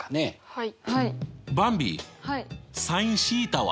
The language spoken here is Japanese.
はい。